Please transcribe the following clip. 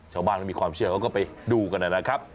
ชาวบ้านเขามีความเชื่อเขาก็ไปดูกันนะครับ